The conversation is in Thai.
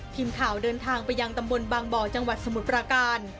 ทีมข่าวเดินทางไปยังตำบลบางบ่อจังหวัดสมุทรประการ